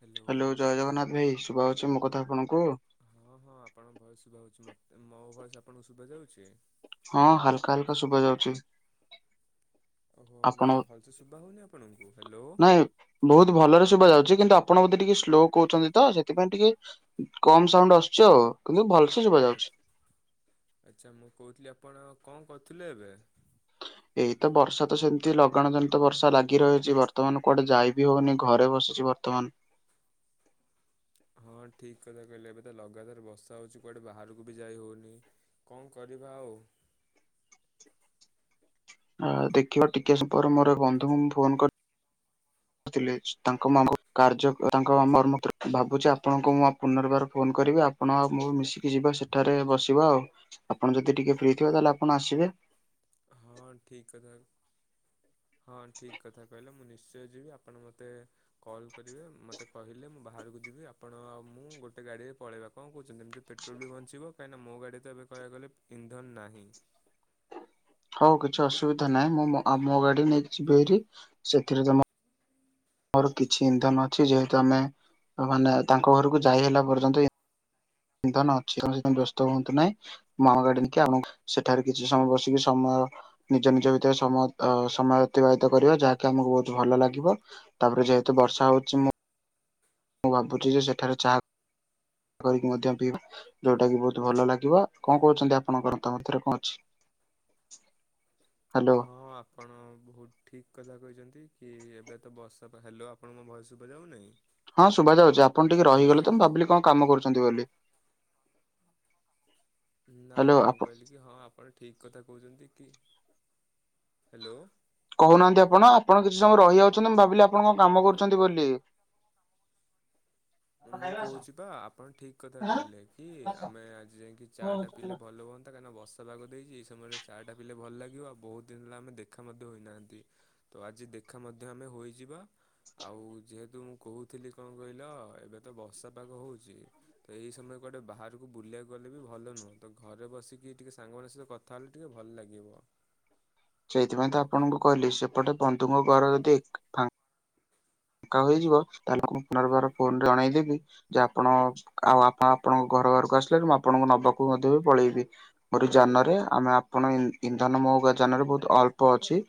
Hello hello ଜୟେ ଜଗନ୍ନାଥ ଭାଇ ଶୁଭା ହୋଉଚି ମୋ କଥା ଆପଣଙ୍କୁ? ହଁ ହଁ ଆପଣଙ୍କ ଭୟେସ୍ ଶୁଭା ହୋଉଚି ମତେ ମୋ ଭୟେସ୍ ଆପଣଙ୍କୁ ଶୁଭା ଯାଉଛି? ହଁ ହାଲକା ହାଲକା ଶୁଭା ଯାଉଚି। ଓହୋ ମାନେ ଭଲସେ ଶୁଭା ହୋଉନି ଆପଣଙ୍କୁ? ହାଲୋ। ବୋହୁତ ଭଲରେ ଶୁଭ ଯାଉଚି କିନ୍ତୁ ଆପଣ ବୋଧେ ଟିକେ ସ୍ଲୋ କୋହୁଚନ୍ତି ତ ସେଥିପାଇଁ ଟିକେ କମ ସାଉଣ୍ଡ ଆସୁଚି ଆଉ କିନ୍ତୁ ଭଲସେ ଯୁବା ଆ ଯାଉଛି। ଆଚ୍ଛା ମୁଁ କୋହୁଥିଲି ଆପଣ କଣ କରୁଥିଲେ ଏବେ? ଏଇତ ବର୍ଷା ତ ସେମିତି ଲଗାଣ ଜନିତ ବର୍ଷା ଲାଗି ରହିଚି ବର୍ତମାନ କୁଆଡେ ଯାଇବି ହୋଉନି ଘରେ ବସିି ଚି ବର୍ତ୍ତମାନ। ହଁ ଠିକ କଥା କହିଲେ ଏବେ ତ ଲଗାତାର ବର୍ଷା ହୋଉଚି କୁଆଡ଼େ ବାହାରକୁ ବି ଯାଇ ହୋଉନି। କମ୍ କରିବା ଆଉ। ଆ ଦେଖିବ ଟିକେ ସମୟ ପରେ ମୋର ବନ୍ଧୁଙ୍କୁ ଫୋନ କରି ତୁଲେଇଚି ତାଙ୍କ ମାମଙ୍କୁ କର୍ଯ୍ୟ ତାଙ୍କ ମର୍ମତ୍ର ଭାବୁଚି ଆପଣଙ୍କୁ ମୁଁ ପୁନର୍ବାର ଫୋନ କରିବି ଆପଣ ଆଉ ମୁଁ ମିଶିକି ଯିବା ସେଠାରେ ବସିବା ଆଉ। ଆପଣ ଯଦି ଟିକେ ଫ୍ରି ଥିବ ତାହେଲେ ଆପଣ ଆସିବେ। ହଁ ଠିକ କଥା ହଁ ଠିକ କଥା କହିଲ ମୁନିଷ ଯିବି ଆପଣ ମୋତେ କଲ୍ କରିବେ ମୋତେ କହିଲେ ମୁଁ ବାହାରକୁ ଯିବି ଆପଣ ଆଉ ମୁଁ ଗୋଟେ ଗାଡ଼ିରେ ପଳେଇବା କଣ କୋହୁଚନ୍ତି ଯେମିତି ପେଟ୍ରୋଲ୍ ବି ବଞ୍ଚିବ କାହିଁକିନା ମୋ ଗାଡ଼ି ତ ଏବେ କହିବାକୁ ଗଲେ ଇନ୍ଧନ ନାହିଁ। ହୋଉ କିଛି ଅସୁବିଧା ନାହିଁ ମୁଁ ମୋ ଗାଡି ନେଇକି ଯିବି ହାରି ସେଥିରେ ତମ ଆମର କିଛି ଇନ୍ଧନ ଅଛି ଯେହେତୁ ଆମେ ମାନେ ତାଙ୍କ ଘରକୁ ଯାଇ ହେଲା ପର୍ଯ୍ୟନ୍ତ ଇ ଇନ୍ଧନ ଅଛି ଆପଣ ସେଥିପାଇଁ ବ୍ୟସ୍ତ ହୁଅନ୍ତୁ ନାହିଁ। ମଃ ଗାଡି ଦେଖିଆ ଅମ କୁ ସେଠାରେ କିଛି ସମୟ ବସିକି ସମୟ ନିଜ ନିଜ ଭିତରେ ସମୟ ସମୟ ଅତିବାହିତ କରିବା ଯାହାକି ଆମକୁ ବୋହୁତ ଭଲ ଲାଗିବ। ତାପରେ ଯେହେତୁ ବର୍ଷ ହୋଉଚି ମୁଁ ମୁଁ ଭାବୁଚି ଯେ ସେଠାରେ ଚାହା କରିକି ମଧ୍ୟ ପିଇବା ଯୋଉଟା କି ବୋହୁତ ଭଲ ଲାଗିବ କଣ କୋହୁଚନ୍ତି ଆପଣଙ୍କ ର ମତାମତ ରେ କଣ ଅଛି? ହ୍ୟାଲୋ ହଁ। ଆପଣ ବୋହୁତ ଠିକ୍ କଥା କହିଚନ୍ତି କି ଏବେ ତ ବର୍ଷା ହେଲୋ ଆପଣଙ୍କ ଭଏସ ଶୁଭା ଯାଉନି? ହଁ ଶୁଭାଯାଉଚି ଆପଣ ଟିକେ ରହିଗଲେ ତ ମୁଁ ଭାବିଲି କଣ କାମ କରୁଚନ୍ତି ବୋଲି। ନା ହ୍ୟାଲୋ ନା ମୁଁ ଆପଣ କହିଲି କି ହଁ ଆପଣ ଠିକ କଥା କୋହୁଚନ୍ତି କି ହାଲୋ? କୋହୁନାହାନ୍ତି ଆପଣ ଆପଣ କିଛି ସମୟ ରହିଯାଉଛନ୍ତି ମୁଁ ଭାବିଲି ଆପଣ କଣ କାମ କରୁଚନ୍ତି ବୋଲି। [unintelligible] ମୁଁ କୋହୁଚି ପା ଆପଣ ଠିକ୍ କଥା କହିଲେ କି ଆମେ ଆଜି ଯାଇକି ଚା ଟା ପିଇଲେ ଭଲ ହୁଅନ୍ ନ୍ତା କାହିଁକିନା ବର୍ଷ ପାଗ ଦେଇଚି ଏଇ ସମୟରେ ଚା ଟା ପିଇଲେ ଭଲ ଲାଗିବ ଆଉ ବୋହୁତ ଦିନ ହେଲା ଆମେ ଦେଖା ମଧ୍ୟ ହୋଇନାହାନ୍ତି। ତ ଆଜି ଦେଖା ମଧ୍ୟ ଆମେ ହୋଇଯିବା। ଆଉ ଯେହେତୁ ମୁଁ ହୋହୁଥିଲି କଣ କହିଲ ଏବେ ତ ବର୍ଷା ପାଗ ହୋଉଚି। ତ ଏଇ ସମୟ କୁଆଟେ ବାହାରକୁ ବୁଲିବାକୁ ଗଲେ ବି ଭଲ ନୁହଁ। ତ ଘରେ ବସିକି ଟିକେ ସାଙ୍ଗମାନଙ୍କ ସହିତ କଥ ଥା ହେଲେ ଟିକେ ଭଲ ଲାଗିବ। ସେଇଥିପାଇଁ ତ ଆପଣଙ୍କୁ କହିଲି ସେପଟେ ବନ୍ଧୁଙ୍କ ଘର ଯଦି ଏକ୍ ଫାଙ୍କ ଫାଙ୍କା ହୋଇଯିବ ତାହେଲେ ଆପଣ ପୁନର୍ବାର ଫୋନ ରେ ଅଣେଇଲେକି ଯେ ଆପଣ ଆଉ ଆପ ଆପଣଙ୍କ ଘର ବାହାରକୁ ଆସିଲେ ମୁଁ ଆପଣଙ୍କୁ ନବାକୁ ମଧ୍ୟ ବି ପଳେଇବି। ମୋର ଏଇ ଯାନ ରେ ଆମେ ଆପଣ ଇ ଇନ୍ଧନ ମୋ ଯାନ ରେ ବୋହୁତ ଅଳ୍ପ ଅଛି।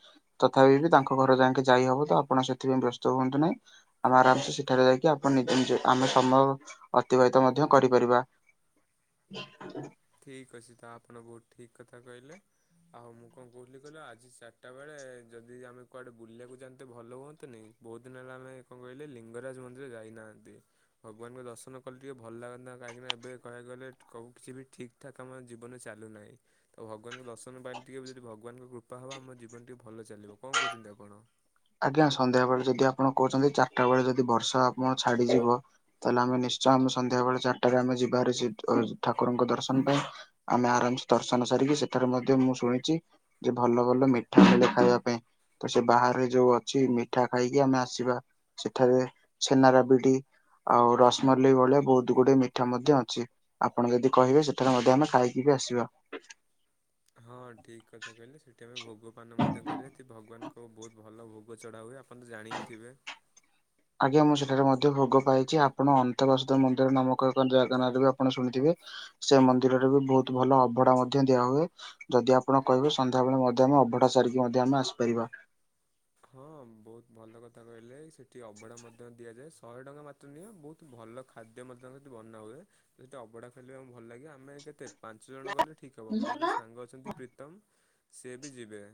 ତଥାପି ବି ବି ତାଙ୍କ ଘର ଯାଇକି ଯାଇହବ ତ ଆପଣ ସେଥିପାଇଁ ବ୍ୟସ୍ତ ହୁଅନ୍ତୁ ନାହିଁ। ଆମେ ଆରାମସେ ସେଠାରେ ଯାଇକି ଆପଣ ନିଜ ନିଜେ ଆମ ସମୟ ଅତିବାହିତ ମଧ୍ୟ କରିପାରିବା। [unintelligible] ଠିକ୍ ଅଛି ତ ଆପଣ ବୋହୁତ ଠିକ୍ କଥା କହିଲେ। ଆଉ ମୁଁ କଣ କୋହୁଥିଲି କହିଲ ଆଜି ଚାରିଟା ବେଳେ ଯଦି ଆମେ କୁଆଡେ ବୁଲିବାକୁ ଯାଆନ୍ତେ ଭଲ ହୁଅନ୍ତନି? ବହୁତ ଦିନ ହେଲା ଆମେ କଣ କହିଲେ ଲିଙ୍ଗରାଜ ମନ୍ଦିର ଯାଇନାହାନ୍ତି। ଭଗବାନଙ୍କ ଦର୍ଶନ କଲେ ଟିକେ ଭଲ ଲାଗନ୍ତା। କାହିଁକିନା ଏବେ କହିବାକୁ ଗଲେ କଉ କିଛି ବି ଠିକ୍ ଠିକ୍ ଠାକ୍ ଆମ ଜୀବନ ରେ ଚାଲୁନାହିଁ। ତ ଭଗବାନଙ୍କୁ ଦର୍ଶନ ପାଇଲେ ଟିକେ ବି ଯଦି ଭଗବାନଙ୍କ କୃପା ହବ ଆମ ଜୀବନ ଟିକେ ଭଲ ଚାଲିବ। କଣ କହୁଛନ୍ତି ଆପଣ? ଆଜ୍ଞା ସନ୍ଧ୍ୟା ବେଳେ ଯଦି ଆପଣ କହୁଛନ୍ତି ଚାରିଟା ବେଳେ ଯଦି ବର୍ଷା ଆପଣ ଛାଡିଯିବ ତାହେଲେ ଆମେ ନିଶ୍ଚୟ ଆମେ ସନ୍ଧ୍ୟା ବେଳେ ଚାରିଟାରେ ଆମେ ଯିବା ଭାରି ଠାକୁରଙ୍କ ଦର୍ଶନ ପାଇଁ। ଆମେ ଆରାମସେ ଦର୍ଶନ ସାରିକି ସେଠାରେ ମଧ୍ୟ ମୁଁ ଶୁଣିଚି ଯେ ଭଲ ଭଲ ମିଠା ମିଳେ ଖାଇବା ପାଇଁ। ତ ସେ ବାହାରେ ଯୋଉ ଅଛି ମିଠା ଖାଇକି ଆମେ ଆସିବା। ସେଠାରେ ଛେନା ରାବିଡି ଆଉ ରସମଲେଇ ଭଳିଆ ବହୁତ ଗୁଡେ ମିଠା ମଧ୍ୟ ଅଛି। ଆପଣ ଯଦି କହିବେ ସେଠାରେ ମଧ୍ୟ ଆମେ ଖାଇକି ବି ଆସିବା। ହଁ ଠିକ୍ କଥା କହିଲେ ସେଠି ଆମେ ଭୋଗପାନ ମଧ୍ୟ କରିବା। ହେଠି ଭଗବାନଙ୍କ ବହୁତ ଭଲ ଭୋଗ ଚଢ଼ା ହୁଏ। ଆପଣ ତ ଜାଣି ହିଁ ଥିବେ। ଆଜ୍ଞା ମୁଁ ସେଠାରେ ମଧ୍ୟ ଭୋଗ ପାଇଚି। ଆପଣ ଅନନ୍ତ ବାସୁଦେବ ମନ୍ଦିର ନାମକ ଏକ ଜାଗା ନାଁରେ ଆପଣ ଶୁଣିଥିବେ। ସେ ମନ୍ଦିରରେ ବି ବହୁତ ଭଲ ଅଭଢା ମଧ୍ୟ ଦିଆ ହୁଏ। ଯଦି ଆପଣ କହିବେ ସନ୍ଧ୍ୟାବେଳେ ମଧ୍ୟ ଆମେ ଅବଢ଼ା ସାରିକି ମଧ୍ୟ ଆମେ ଆସିପାରିବା। ହଁ ବହୁତ ଭଲ କଥା କହିଲେ। ସେଠି ଅବଢା ମଧ୍ୟ ଦିଆଯାଏ ଶହେ ଟଙ୍କା ମା [unintelligible] ବହୁତ ଭଲ ଖାଦ୍ୟ ମଧ୍ୟ ସେଠି ବନା ହୁଏ। ସେଠି ଅବଢା ଖାଇଲେ ଆମକୁ ଭଲ ଲାଗେ। ଆମେ କେତେ ପାଞ୍ଚ ଜଣ ଗଲେ ଠିକ୍ ହେବ। ମୋର ଗୋଟେ ସାଙ୍ଗ ଅଛନ୍ତି ପ୍ରୀତମ ସିଏ ବି ଯିବେ।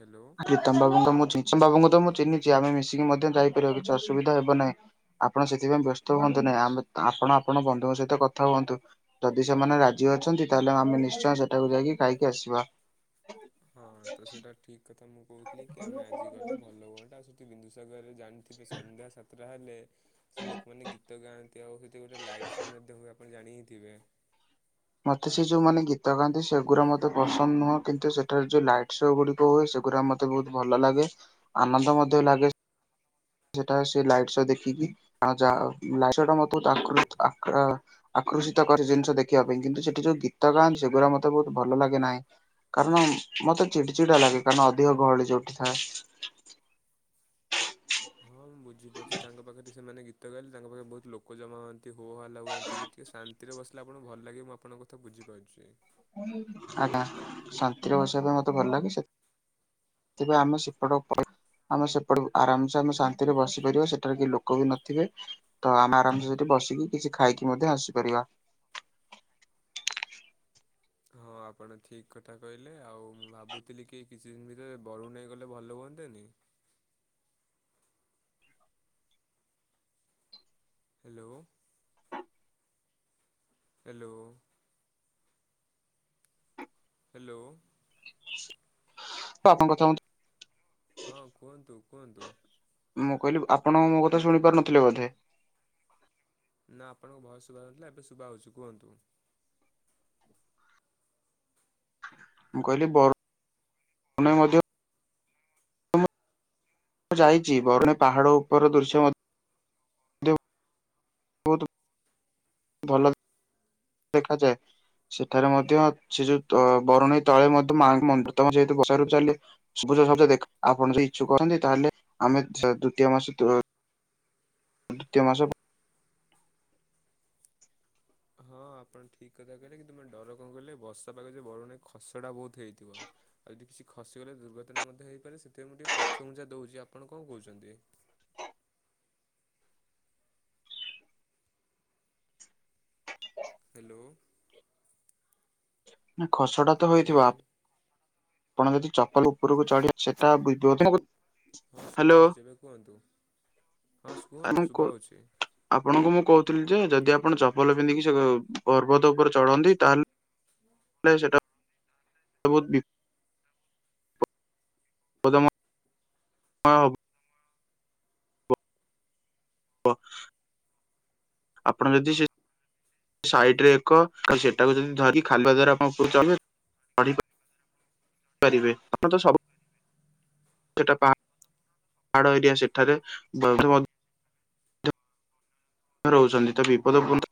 ହେଲୋ। ପ୍ରିତମ ବାବୁଙ୍କୁ ମୁଁ ଚି ପ୍ରିତମ ବାବୁଙ୍କୁ ତ ମୁଁ ଚିହ୍ନିଚି। ଆମେ ମିଶିକି ମଧ୍ୟ ଯାଇପାରିବା କିଛି ଅସୁବିଧା ହେବ ନାହିଁ। ଆପଣ ସେଥିପାଇଁ ବ୍ୟସ୍ତ ହୁଅନ୍ତୁ ନାହିଁ। ଆମେ ତ ଆପଣ ଆପଣ ବନ୍ଧୁଙ୍କ ସହିତ କଥା ହୁଅନ୍ତୁ। ଯଦି ସେମାନେ ରାଜି ଅଛନ୍ତି ତାହେଲେ ଆମେ ନିଶ୍ଚୟ ସେଠାକୁ ଯାଇକି ଖାଇକି ଆସିବା। ହଁ ତ ସେଟା ଠିକ୍ କଥା ମୁଁ କହୁଥିଲି କି ଆମେ ଆଜି ଗଲେ ଭଲ ହୁଅନ୍ତା। ଆଉ ସେଠି ବିନ୍ଦୁସାଗରରେ ଜାଣି ଥିବେ। ସନ୍ଧ୍ୟା ସାତଟା ହେଲେ ସେ ଲୋକମାନେ ଗୀତ ଗାଆନ୍ତି ଆଉ ସେଠି ଗୋଟେ ଲାଇଟ୍ ଶୋ ମଧ୍ୟ ହୁଏ। ଆପଣ ଜାଣିି ହିଁ ଥିବେ। ମତେ ସେ ଯୋଉ ମାନେ ଗୀତ ଗାଆନ୍ତି ସେଗୁରା ମୋତେ ପସନ୍ଦ ନୁହଁ। କିନ୍ତୁ ସେଠାରେ ଯୋଉ ନାଇଟ୍ ଶୋ ଗୁଡିକ ହୁଏ ସେଗୁରା ମତେ ବହୁତ ଭଲ ଲାଗେ। ଆନନ୍ଦ ମଧ୍ୟ ଲାଗେ। ସେଠାରେ ସେ ଲାଇଟ୍ ଶୋ ଦେଖିକି। ଯାହା ହଉ ଲାଇଟ୍ ଶୋ ମତେ ବହୁତ୍। [unintelligible] ଆକୃଷିତ କରେ ଜିନିଷ ଦେଖିବା ପାଇଁ। କିନ୍ତୁ ସେଠି ଯୋଉ ଗୀତ ଗାନ୍ତି ସେଗୁରା ମତେ ବହୁତ ଭଲ ଲାଗେ ନାହିଁ। କାରଣ ମତେ ଚିଡ଼ ଚିଡା ଲାଗେ। କାରଣ ଅଧିକ ଗହଳି ଯୋଉଠି ଥାଏ। ହଁ ମୁଁ ବୁଝିପାରୁଚି। ତାଙ୍କ ପାଖରେ ସେମାନେ ଗୀତ ଗାଇଲେ ତାଙ୍କ ପାଖରେ ବହୁତ ଲୋକ ଜମା ହୁଅନ୍ତି। ଟିକେ ହୋ ହାଲା ହୁଅନ୍ତି, ଟିକେ ଶାନ୍ତିରେ ବସିଲେ ଆପଣ କୁ ଭଲ ଲାଗେ ମୁଁ ଆପଣଙ୍କ କଥା ବୁଝିପାରୁଚି। ଆଜ୍ଞା। ଶାନ୍ତିରେ ବସିବା ପାଇଁ ମତେ ଭଲ ଲାଗେ। ସେଥି ସେଥିପାଇଁ ଆମେ ସେପଟ। [unintelligible] ଆମେ ସେପଟ କୁ ଆରାମସେ ଆମେ ଶାନ୍ତିରେ ବସିପାରିବା ସେଠାରେ କେହି ଲୋକ ବି ନଥିବେ। ତ ଆମେ ଆରାମସେ ସେଠି ବସିକି କିଛି ଖାଇକି ମଧ୍ୟ ଆସିପାରିବା। ହଁ ଆପଣ ଠିକ୍ କଥା କହିଲେ। ଆଉ ମୁଁ ଭାବୁଥିଲି କି କିଛି ଦିନ ଭିତରେ ବରୁଣେଇ ଗଲେ ଭଲ ହୁଅନ୍ତାନି? ହ୍ୟାଲୋ। ହ୍ୟାଲୋ। ହ୍ୟାଲୋ। ଆପଣଙ୍କ କଥା ମତେ ହଁ କୁହନ୍ତୁ କୁହନ୍ତୁ। ମୁଁ କହିଲି ଆପଣଙ୍କ ମୋ କଥା ଶୁଣି ପାରୁନଥିଲେ ବୋଧେ? ନା ଆପଣଙ୍କ ଭଏସ୍ ଶୁଭା ଯାଉନଥିଲା ଏବେ ଶୁଭା ହଯାଉଚି କୁହନ୍ତୁ। ମୁଁ କହିଲି ବ ରୁଣେଇ ମଧ୍ୟ ଯାଇଚି। ବରୁଣେଇ ପାହାଡ ଉପର ଦୃଶ୍ୟ ମଧ୍ୟ ବହୁତ୍ ଭଲ ଦେଖାଯାଏ। ସେଠାରେ ମଧ୍ୟ ସେ ଯୋଉ ତ ବରୁଣେଇ ତଳେ ମଧ୍ୟ ମାଙ୍କ ମନ୍ଦିର ତ ଯେହେତୁ। [unintelligible] ସବୁଜ ସବୁଜ ଦେଖା ଆପଣ ଯଦି ଇଛୁକ ଅଛନ୍ତି ତାହେଲେ ଆମେ ଦ୍ଵିତୀୟ ମାସ ଦ୍ୱିତୀୟ ମାସ ହଁ ଆପଣ ଠିକ କଥା କହିଲେ କିନ୍ତୁ ମାନେ ଡର କଣ କହିଲେ ବର୍ଷା ପାଗରେ ଯେ ବରୁୁ ନାହିଁ ଖସଡ଼ା ବହୁତ ହେଇଥିବ। ଆଉ ଯଦି କିଛି ଖସିଗଲେ ଦୁର୍ଘଟନା ମଧ୍ୟ ହେଇପାରେ ସେଥିପାଇଁ ମୁଁ ଟିକେ ପଛଘୁଞ୍ଚା ଦେଉଛି ଆପଣ କଣ କହୁଛନ୍ତି? [inaudible] ହ୍ୟାଲୋ ନା ଖସଡ଼ା ତ ହ୍ୟାଲୋ ହୋଇଥିବ ଆପ ପଣ ଯଦି ଚପଲ ଉପରକୁ ଚଢେ ସେଟା ବ [unintelligible] ହଁ ଶୁଭା ହଉଛି ଏବେ କୁହନ୍ତୁ ହଁ କୁହନ୍ତୁ। ଶୁଭା ହଉଛି ଆପଣଙ୍କୁ ମୁଁ କହୁଥିଲି ଯେ ଯଦି ଆପଣ ଚପଲ ପିନ୍ଧିକି ସେ ପର୍ବତ ଉପରେ ଚଢନ୍ତି ତାହେଲେ ଲେ ସେଟା [unintelligible] [unintelligible] ହ ହବ ବ [unintelligible] ଆପଣ ଯଦି ସେ ସାଇଟି ରେ ଏକ ସେଟାକୁ ଯଦି ଧରି ଖାଗୁଆ ଦ୍ଵାରା ଆପଣ ଉପରକୁ ଚନେ କରି ପାରିବେ ଆପଣ ତ ସବ ସେଟା ପା ପାହାଡ ଏରିଆ ସେଠାରେ [unintelligible] ରହୁଛନ୍ତି ତ ବିପଦ ପୁନ୍ଦ୍ଦ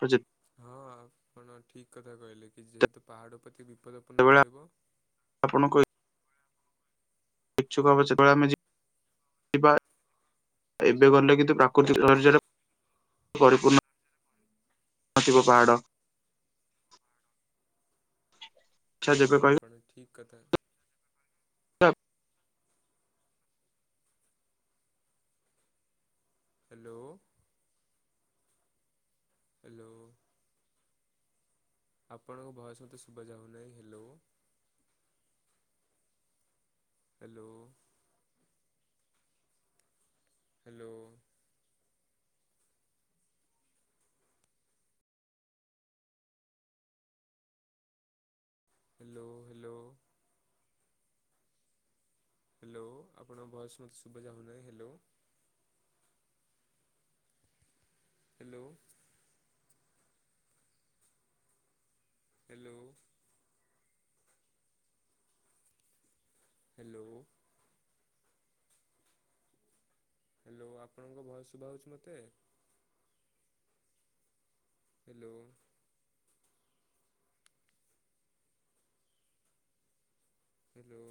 ତ ଜେତ ହଁ ଆପଣ ଠିକ କଥା କହିଲେ କି ଯେତେବେଳେ ଯେହେତୁ ପାହାଡ଼ ପ୍ରତି ବିପଦପୂର୍ଣ୍ଣ ରହିବ। ଆପଣ କଇ ଇଛୁକ ଆମେ ସେବେଳା ଆମେ ଯି ଯିବା ଏବେ ଗଲେ କିନ୍ତୁ ପ୍ରାକୃତିକ ବିପର୍ଯୟ ପରିପୂର୍ଣ୍ଣ ନଥିବ ପାହାଡ଼ ଆଚ୍ଛା ହଁ ଯେବେ କହିବେ ଆପଣ ଠିକ କଥା [unintelligible] ହ୍ୟାଲୋ ହ୍ୟାଲୋ ଆପଣଙ୍କ ଭଏସ ମୋତେ ଶୁଭା ଯାଉନାହିଁ hello! Hello hello hello hello hello ଆପଣଙ୍କ ଭଏସ୍ ମୋତେ ଶୁଭା ଯାଉନାହିଁ hello! Hello hello hello hello ଆପଣଙ୍କ ଭଏସ୍ ଶୁଭା ଯାଉଛି ମୋତେ? ହ୍ୟାଲୋ ହ୍ୟାଲୋ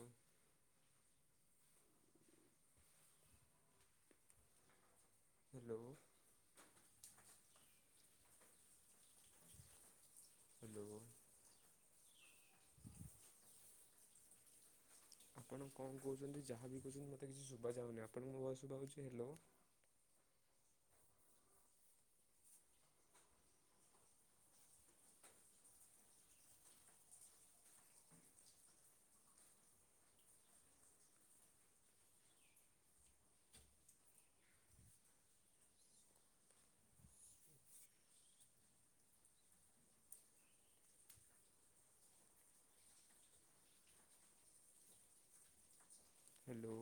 ହ୍ୟାଲୋ ହ୍ୟାଲୋ ଆପଣ କଣ କହୁଛନ୍ତି ଯାହା ବି କହୁଛନ୍ତି ମୋତେ କିଛି ଶୁଭା ଯାଉନି ଆପଣଙ୍କୁ ମୋ ଭଏସ ଶୁଭା ଯାଉଛି ହ୍ୟାଲୋ? ହ୍ୟାଲୋ